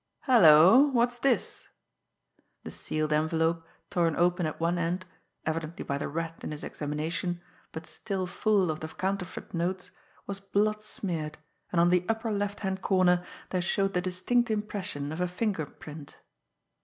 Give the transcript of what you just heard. Hello, what's this!" the sealed envelope, torn open at one end, evidently by the Rat in his examination, but still full of the counterfeit notes, was blood smeared, and on the upper left hand corner there showed the distinct impression of a finger print.